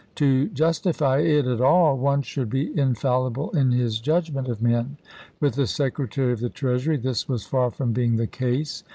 To justify it at all one should be infallible in his judgment of men. With the Secretary of the Treasury this was far from being the case.